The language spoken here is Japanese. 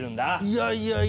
いやいや。